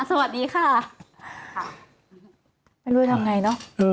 ไม่รู้ว่าจะเป็นยังไงเนอะ